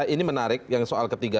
ini menarik yang soal ketiga